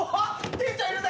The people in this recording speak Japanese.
店長いるぜ！